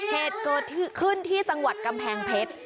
เหตุเกิดขึ้นที่จังหวัดกำแพงเพชร